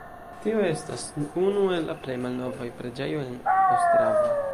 Tio estas unu el la plej malnovaj preĝejoj en Ostrava.